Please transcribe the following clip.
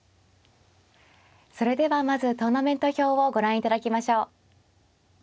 それではまずトーナメント表をご覧いただきましょう。